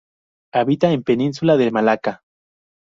Habita en Península de Malaca.